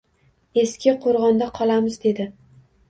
Eski qo‘rg‘onda qolamiz dedi